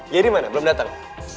giri mana belom dateng